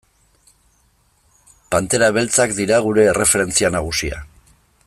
Pantera Beltzak dira gure erreferentzia nagusia.